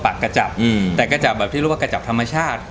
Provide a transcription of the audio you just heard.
แต่กระจับมาจากแบบธรรมชาติ